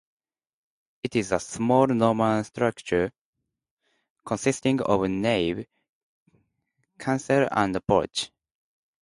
It is a small Norman structure, consisting of nave, chancel and porch.